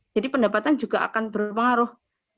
jadi pendapatan juga akan berpengaruh